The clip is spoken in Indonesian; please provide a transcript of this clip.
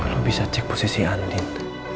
kalau bisa cek posisi anin